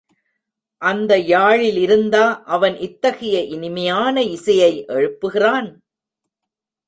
அந்த யாழிலிருந்தா அவன் இத்தகைய இனிமையான இசையை எழுப்புகிறான்!